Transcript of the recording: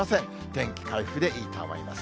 天気回復でいいと思います。